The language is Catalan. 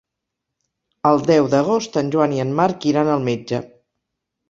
El deu d'agost en Joan i en Marc iran al metge.